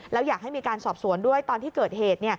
แล้วอยากให้มีการสอบสวนด้วยตอนที่เกิดเหตุ